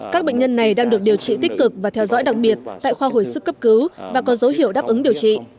các bệnh nhân này đang được điều trị tích cực và theo dõi đặc biệt tại khoa hồi sức cấp cứu và có dấu hiệu đáp ứng điều trị